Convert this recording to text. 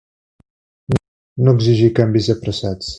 No exigir canvis apressats.